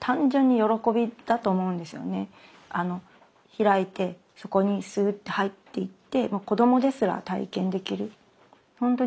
開いてそこにスーッと入っていってもう子どもですら体験できる。